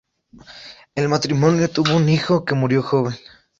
El matrimonio tuvo un hijo que murió joven.